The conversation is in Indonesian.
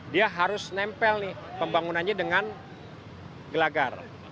dia harus nempel nih pembangunannya dengan gelagar